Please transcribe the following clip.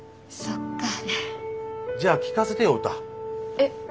えっ？